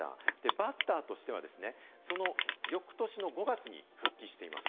バッターとしてはその翌年の５月に復帰しています。